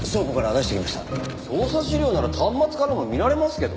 捜査資料なら端末からも見られますけど。